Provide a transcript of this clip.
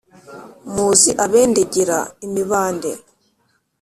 muzi abendegera imibande